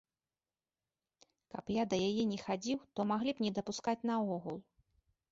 Каб я да яе не хадзіў, то маглі б не дапускаць наогул.